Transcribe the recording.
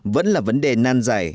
vẫn là vấn đề năn giải